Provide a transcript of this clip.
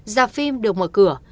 giả phim được mở cửa